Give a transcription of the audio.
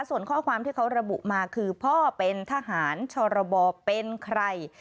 ส่วนข้อความที่เขาระบุมาคือพ่อเป็นทหารชรบเป็นใคร